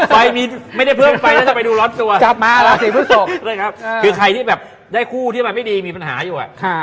ไฟได้ไม่ได้เพิ่มไฟได้ดูร้อนตัว